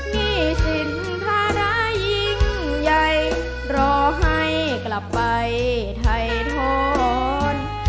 มีสินทารายิ่งใหญ่รอให้กลับไปไทยทน